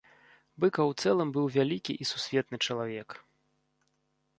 Быкаў у цэлым быў вялікі і сусветны чалавек.